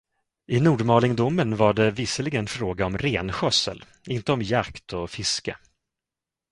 I Nordmalingdomen var det visserligen fråga om renskötsel, inte om jakt och fiske.